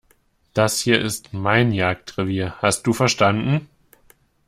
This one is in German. Das hier ist mein Jagdrevier, hast du verstanden?